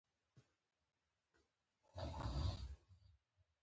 له سپارې سره یې هم اشنایي پیدا شوه.